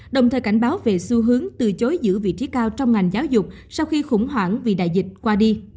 đồng thời cảnh báo về xu hướng từ chối giữ vị trí cao trong ngành giáo dục sau khi khủng hoảng vì đại dịch qua đi